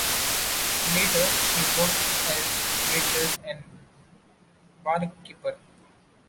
Later she worked as waitress and barkeeper.